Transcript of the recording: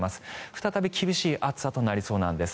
再び厳しい暑さとなりそうなんです。